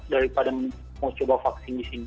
daripada mau coba vaksin disini